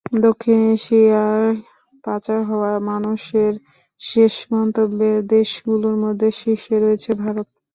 দক্ষিণ এশিয়ায় পাচার হওয়া মানুষের শেষ গন্তব্যের দেশগুলোর মধ্যে শীর্ষে রয়েছে ভারত।